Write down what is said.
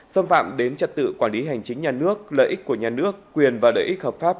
xâm phạm đến trật tự quản lý hành chính nhà nước lợi ích của nhà nước quyền và lợi ích hợp pháp